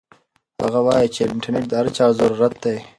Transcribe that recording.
هغه وایي چې انټرنيټ د هر چا ضرورت دی.